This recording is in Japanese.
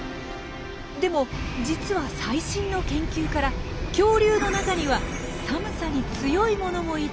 でも実は最新の研究から恐竜の中には寒さに強いものもいたことも分かってきたんです。